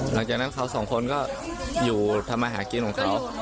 หลังจากนั้นเขาสองคนก็อยู่ทำมาหากินของเขา